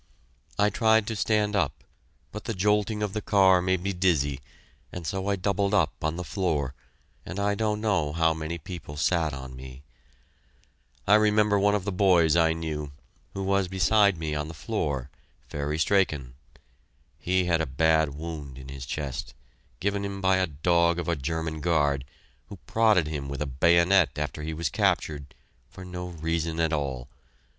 I tried to stand up, but the jolting of the car made me dizzy, and so I doubled up on the floor, and I don't know how many people sat on me. I remember one of the boys I knew, who was beside me on the floor, Fairy Strachan. He had a bad wound in his chest, given him by a dog of a German guard, who prodded him with a bayonet after he was captured, for no reason at all.